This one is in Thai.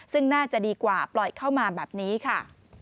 ซึ่งน่าจะดีกว่าปล่อยเข้ามาแบบนี้ค่ะ